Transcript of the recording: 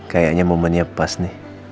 kayaknya momennya pas nih